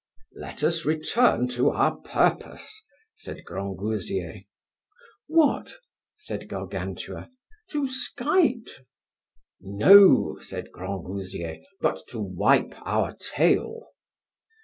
Let us return to our purpose, said Grangousier. What, said Gargantua, to skite? No, said Grangousier, but to wipe our tail.